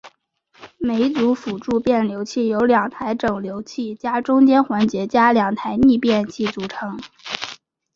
每组辅助变流器由两台整流器加中间环节加两台逆变器组成。